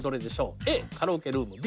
「Ａ」カラオケルーム「Ｂ」